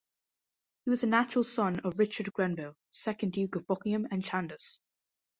He was natural son of Richard Grenville, second duke of Buckingham and Chandos.